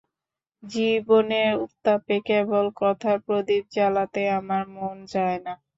জীবনের উত্তাপে কেবল কথার প্রদীপ জ্বালাতে আমার মন যায় না।